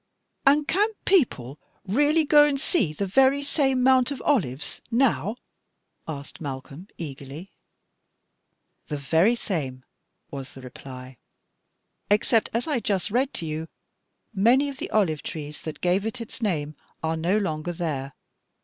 "And can people really go and see the very same Mount of Olives now?" asked Malcolm, eagerly. "The very same," was the reply, "except, as I just read to you, many of the olive trees that gave it its name are no longer there.